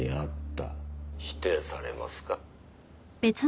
「否定されますか？」